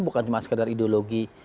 bukan cuma sekedar ideologi